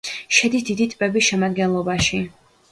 შედის დიდი ტბების შემადგენლობაში.